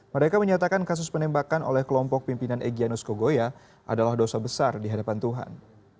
mereka menyatakan kasus penembakan oleh kelompok pimpinan egyanus kogoya adalah dosa besar di hadapan tuhan